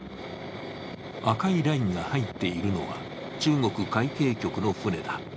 赤いラインが入っているのは、中国海警局の船だ。